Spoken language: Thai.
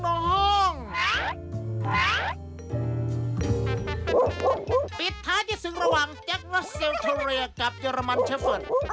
ปกสิทธิ์ท้านที่สึงระหว่างจักรัสเซลทรย์กับเจอรมันเชฟฟัด